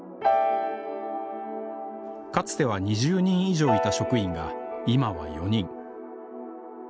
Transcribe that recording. かつては２０人以上いた職員が今は４人。